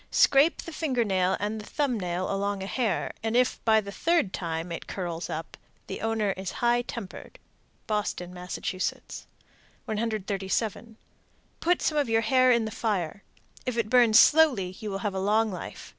Scrape the finger nail and the thumb nail along a hair, and if, by the third time, it curls up, the owner is high tempered. Boston, Mass. 137. Put some of your hair in the fire. If it burns slowly you will have a long life.